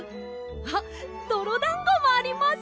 あっどろだんごもあります！